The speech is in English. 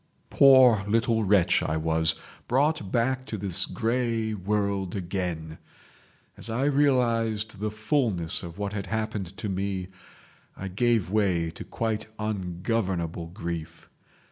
"Poor little wretch I was—brought back to this grey world again! As I realised the fulness of what had happened to me, I gave way to quite ungovernable grief.